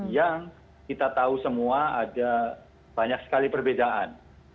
yang kita tahu semua ada banyak sekali perbedaan